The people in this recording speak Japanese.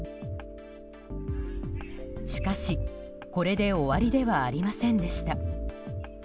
しかし、これで終わりではありませんでした。